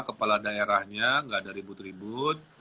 kepala daerahnya nggak ada ribut ribut